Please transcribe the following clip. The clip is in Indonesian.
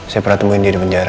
saya pernah temuin dia di penjara